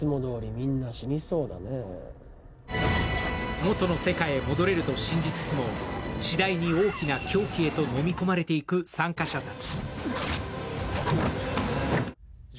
元の世界へ戻れると信じつつもしだいに大きな狂気へと飲み込まれていく参加者たち。